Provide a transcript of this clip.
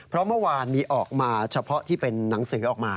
เพราะเมื่อวานมีออกมาเฉพาะที่เป็นหนังสือออกมา